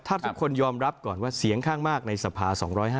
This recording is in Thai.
ถ้าทุกคนยอมรับก่อนว่าเสียงข้างมากในสภา๒๕๖